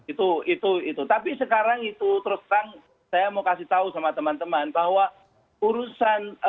itu itu tapi sekarang itu terus terang saya mau kasih tahu sama teman teman bahwa urusan